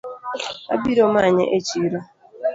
Abiro manye echiro